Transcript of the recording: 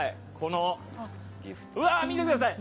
うわあ、見てください！